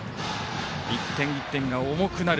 １点１点が重くなる